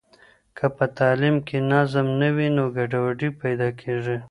که په تعلیم کې نظم نه وي نو ګډوډي پیدا کېږي.